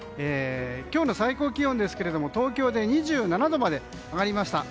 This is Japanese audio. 今日の最高気温ですけども東京で２７度まで上がりました。